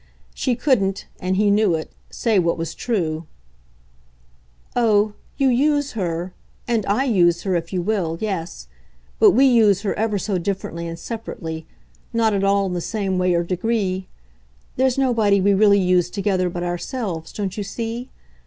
She couldn't and he knew it say what was true: "Oh, you 'use' her, and I use her, if you will, yes; but we use her ever so differently and separately not at all in the same way or degree. There's nobody we really use together but ourselves, don't you see?